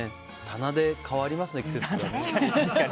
棚で変わりますね、季節が。